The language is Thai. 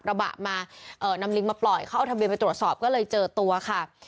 กระบะมานำลิงมาปล่อยเขาเอาทะเบียนไปตรวจสอบก็เลยเจอตัวค่ะ